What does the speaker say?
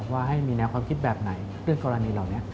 ว่าให้มีแนวความคิดแบบไหนเรื่องกรณีเหล่านี้